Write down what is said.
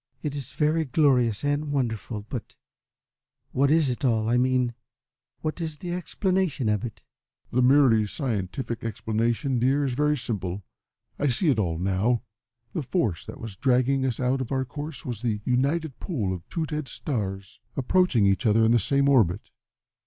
"It is very glorious and wonderful; but what is it all I mean, what is the explanation of it?" "The merely scientific explanation, dear, is very simple. I see it all now. The force that was dragging us out of our course was the united pull of two dead stars approaching each other in the same orbit.